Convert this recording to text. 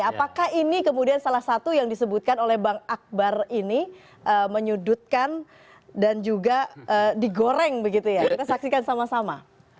apakah ini kemudian salah satu yang disebutkan oleh bang akbar ini menyudutkan dan juga digoreng begitu ya kita saksikan sama sama